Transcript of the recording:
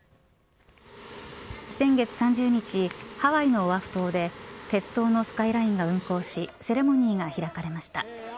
先月３０日、ハワイのオアフ島で鉄道のスカイラインが運行しセレモニーが開かれました。